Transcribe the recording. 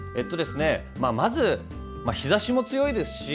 まず日ざしも強いですし